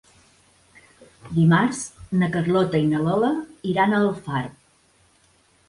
Dimarts na Carlota i na Lola iran a Alfarb.